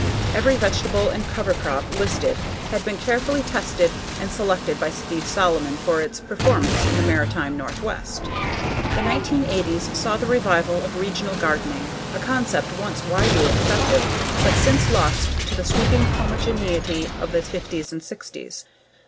Every vegetable and cover crop listed had been carefully tested and selected by Steve Solomon for its performance in the maritime Northwest. The 1980's saw the revival of regional gardening, a concept once widely accepted, but since lost to the sweeping homogeneity of the '50s and '60s.